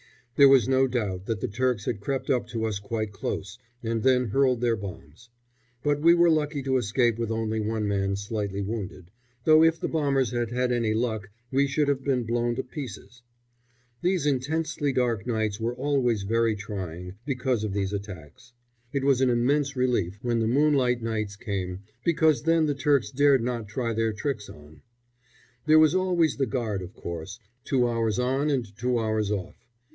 There was no doubt that the Turks had crept up to us quite close and then hurled their bombs; but we were lucky to escape with only one man slightly wounded, though if the bombers had had any luck we should have been blown to pieces. These intensely dark nights were always very trying because of these attacks. It was an immense relief when the moonlight nights came, because then the Turks dared not try their tricks on. There was always the guard, of course, two hours on and two hours off.